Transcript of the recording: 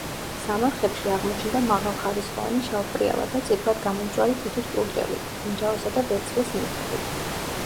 სამარხებში აღმოჩნდა მაღალხარისხოვანი შავპრიალა და წითლად გამომწვარი თიხის ჭურჭელი, ბრინჯაოსა და ვერცხლის ნივთები.